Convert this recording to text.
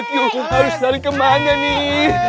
aku harus cari kemana nih